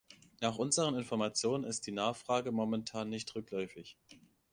Nach unseren Informationen ist die Nachfrage momentan nicht rückläufig.